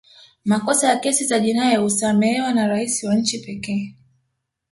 makosa ya kesi za jinai husamehewa na rais wa nchi pekee